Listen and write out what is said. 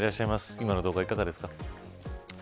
今の動画、いかがですか。